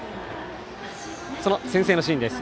先制のシーンです。